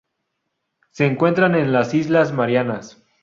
Se encuentran en las Islas Marianas.